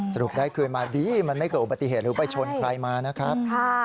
สรุปได้คืนมาดีมันไม่เกิดอุบัติเหตุหรือไปชนใครมานะครับ